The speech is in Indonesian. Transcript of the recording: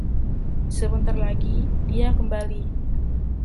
Sebentar lagi, dia kembali.